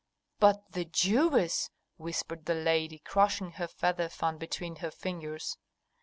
"But the Jewess!" whispered the lady, crushing her feather fan between her fingers.